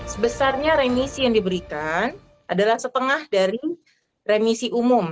sebesarnya remisi yang diberikan adalah setengah dari remisi umum